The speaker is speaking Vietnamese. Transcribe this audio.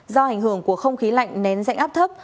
do ảnh hưởng của không khí lạnh nén dạnh áp thấp